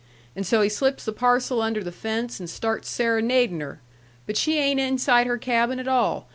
And so he slips the parcel under the fence and starts serenadin' her. But she ain't inside her cabin at all.